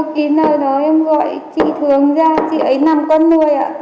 khi nào đó em gọi chị thường ra chị ấy nằm con nuôi